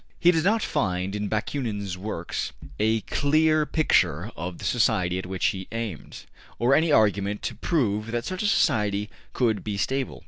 We do not find in Bakunin's works a clear picture of the society at which he aimed, or any argument to prove that such a society could be stable.